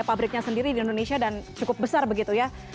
pabriknya sendiri di indonesia dan cukup besar begitu ya